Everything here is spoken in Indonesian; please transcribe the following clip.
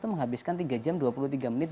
menghabiskan tiga jam dua puluh tiga menit